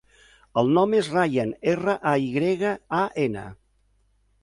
El nom és Rayan: erra, a, i grega, a, ena.